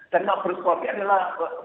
dan mabes polri adalah